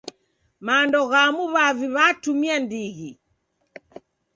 Mando ghamu w'avi w'atumia ndighi.